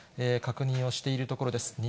確認をしているところです。